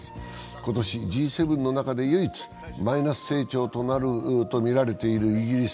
今年、Ｇ７の中で唯一マイナス成長となるとみられているイギリス。